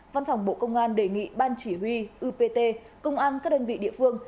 văn phòng bộ công an đề nghị ban chỉ huy upt công an các đơn vị địa phương